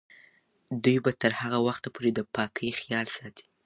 دوی به تر هغه وخته پورې د پاکۍ خیال ساتي.